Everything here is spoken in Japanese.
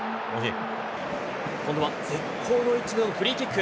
今度は絶好の位置でのフリーキック。